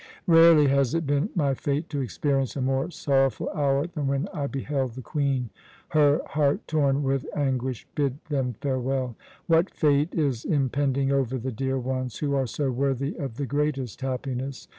"Rarely has it been my fate to experience a more sorrowful hour than when I beheld the Queen, her heart torn with anguish, bid them farewell. What fate is impending over the dear ones, who are so worthy of the greatest happiness?